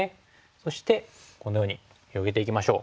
そしてこのように広げていきましょう。